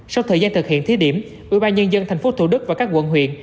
sau thời gian thực hiện thiết điểm ủy ban nhân dân tp thủ đức và các quận huyện